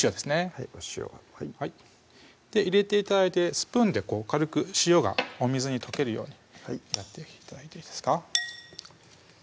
はいお塩入れて頂いてスプーンで軽く塩がお水に溶けるようにはいやって頂いていいですか